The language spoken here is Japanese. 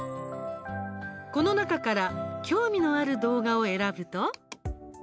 この中から興味のある動画を選ぶと。